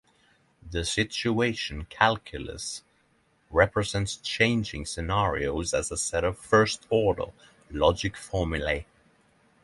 The situation calculus represents changing scenarios as a set of first-order logic formulae.